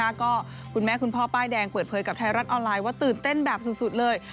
แล้วก็คุณแม่คุณพ่อป้ายแดงเปิดเผยกับไทยรัฐออนไลน์ว่าตื่นเต้นแบบสุดเลย